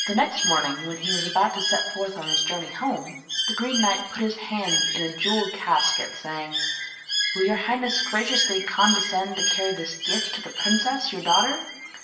Next morning, when he was about to set forth on his journey home, the Green Knight put into his hand a jewelled casket, saying: 'Will your highness graciously condescend to carry this gift to the princess, your daughter?